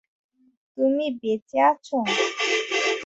তুমি বেঁচে আছো?